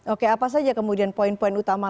oke apa saja kemudian poin poin utama